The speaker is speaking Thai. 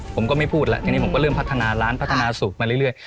ผมก็ไม่พูดแล้วทีนี้ผมก็เริ่มพัฒนาร้านพัฒนาสูตรมาเรื่อย